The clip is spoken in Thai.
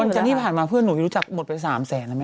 วันจันทร์นี้ผ่านมาเพื่อนหนูรู้จักหมดไป๓แสน